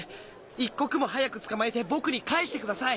一刻も早く捕まえて僕に返してください！